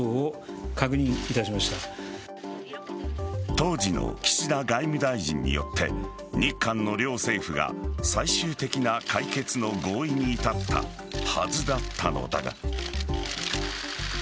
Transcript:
当時の岸田外務大臣によって日韓の両政府が最終的な解決の合意に至ったはずだったのだが。